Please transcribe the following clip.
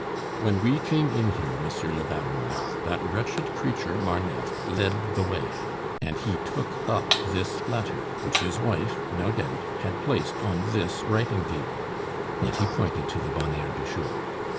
"When we came in here, Monsieur le Baron, that wretched creature Marneffe led the way, and he took up this letter, which his wife, no doubt, had placed on this writing table," and he pointed to the bonheur du jour.